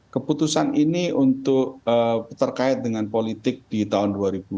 keputusan ini untuk terkait dengan politik di tahun dua ribu dua puluh